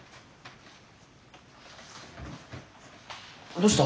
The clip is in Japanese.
どうした？